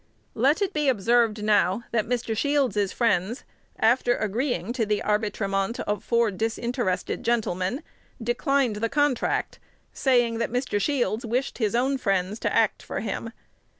Let it be observed now, that Mr. Shields's friends, after agreeing to the arbitrament of four disinterested gentlemen, declined the contract, saying that Mr. Shields wished his own friends to act for him.